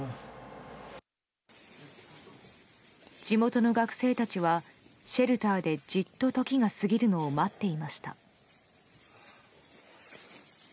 地元の学生たちはシェルターでじっと時が過ぎるのを待っていました。